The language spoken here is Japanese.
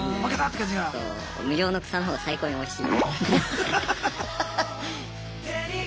無料の草のほうが最高においしい。